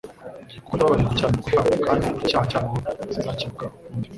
Kuko nzababarira gukiranirwa kwabo kandi icyaha cyabo sinzacyibuka ukundi